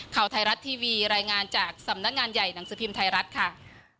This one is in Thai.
ข่าวไทยรัฐทีวีรายงานจากสำนักงานใหญ่หนังสือพิมพ์ไทยรัฐค่ะ